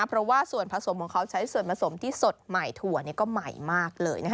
เพราะว่าส่วนผสมของเขาใช้ส่วนผสมที่สดใหม่ถั่วก็ใหม่มากเลย